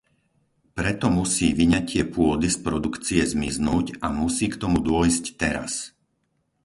Preto musí vyňatie pôdy z produkcie zmiznúť a musí k tomu dôjsť teraz.